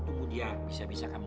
terima kasih mas